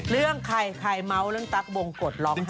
เรื่องใครใครเมาท์นี้นะครับ